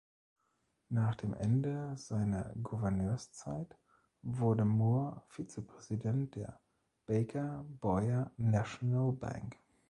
Nach dem Ende seiner Gouverneurszeit wurde Moore Vizepräsident der Baker-Boyer National Bank.